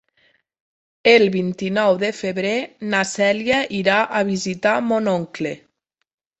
El vint-i-nou de febrer na Cèlia irà a visitar mon oncle.